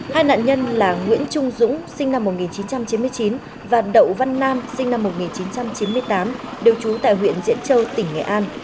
hai nạn nhân là nguyễn trung dũng sinh năm một nghìn chín trăm chín mươi chín và đậu văn nam sinh năm một nghìn chín trăm chín mươi tám đều trú tại huyện diễn châu tỉnh nghệ an